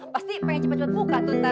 pasti pengen cepet cepet buka tuh ntar